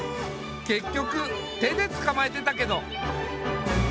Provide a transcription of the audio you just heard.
結局手でつかまえてたけど。